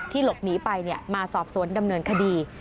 หลบหนีไปมาสอบสวนดำเนินคดี